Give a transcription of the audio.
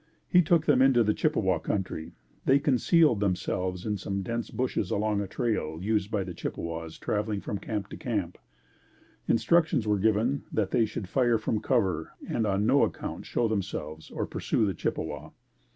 He took them into the Chippewa country. They concealed themselves in some dense bushes along a trail used by the Chippewas traveling from camp to camp. Instructions were given that they should fire from cover and on no account show themselves or pursue the Chippewa.